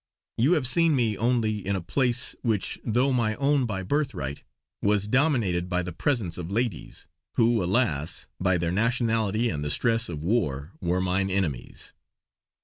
You have seen me only in a place, which though my own by birthright, was dominated by the presence of ladies, who alas! by their nationality and the stress of war were mine enemies.